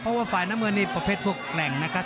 เพราะว่าฝ่ายน้ำเงินนี่ประเภทพวกแกร่งนะครับ